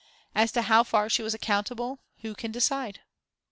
As to how far she was accountable, who can decide?...